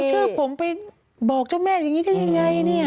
ชื่อผมไปบอกเจ้าแม่อย่างนี้ได้ยังไงเนี่ย